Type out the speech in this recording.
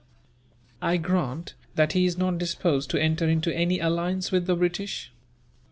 "I grant that he is not disposed to enter into any alliance with the British.